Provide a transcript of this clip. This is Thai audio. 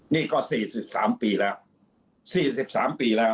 นี่ก็๔๓ปีแล้ว